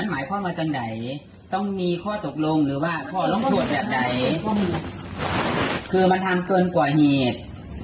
เธอไม่ฟังฉันต้องลงโทษเธอมันจะมาที่๑ชั่วโมง